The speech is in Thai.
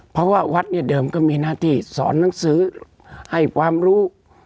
เพราะว่าวัดเนี่ยเดิมก็มีหน้าที่สอนหนังสือให้ความรู้